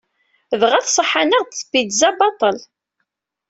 Dɣa tṣaḥ-aneɣ-d tpizza baṭel.